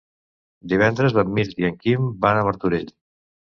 Divendres en Mirt i en Quim van a Martorell.